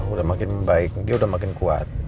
udah makin membaik dia udah makin kuat